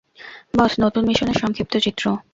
বস, নতুন মিশনের সংক্ষিপ্ত চিত্র।